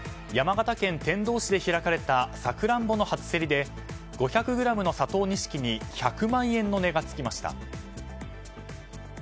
山形県天童市で開かれたサクランボの初競りで５００ｇの佐藤錦に１００万円の値が付きました。